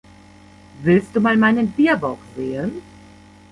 Willst du mal meinen Bierbauch sehen?